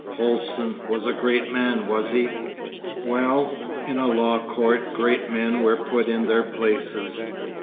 Holsten was a great man, was he? Well, in a law court great men were put in their places.